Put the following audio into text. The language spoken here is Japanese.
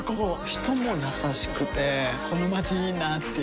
人も優しくてこのまちいいなぁっていう